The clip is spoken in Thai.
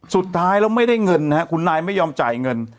สุดท้ายแล้วไม่ได้เงินนะครับคุณนายไม่ยอมจ่ายเงิน